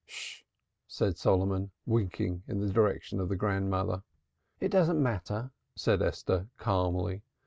"'Sh," said Solomon, winking in the direction of the grandmother. "It doesn't matter," said Esther calmly.